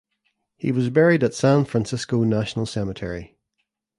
He was buried at San Francisco National Cemetery.